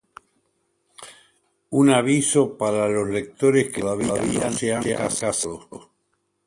Un aviso para los lectores que todavía no se han casado.